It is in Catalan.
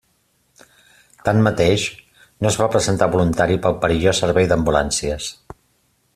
Tanmateix, no es va presentar voluntari per al perillós servei d'ambulàncies.